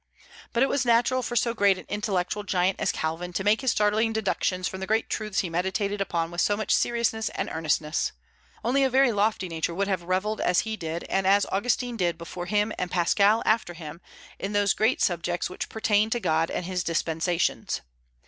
But it was natural for so great an intellectual giant as Calvin to make his startling deductions from the great truths he meditated upon with so much seriousness and earnestness. Only a very lofty nature would have revelled as he did, and as Augustine did before him and Pascal after him, in those great subjects which pertain to God and his dispensations.